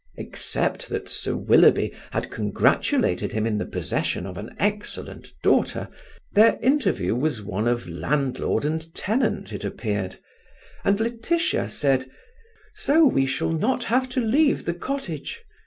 Except that Sir Willoughby had congratulated him in the possession of an excellent daughter, their interview was one of landlord and tenant, it appeared; and Laetitia said, "So we shall not have to leave the cottage?"